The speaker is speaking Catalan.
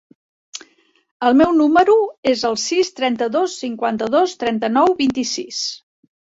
El meu número es el sis, trenta-dos, cinquanta-dos, trenta-nou, vint-i-sis.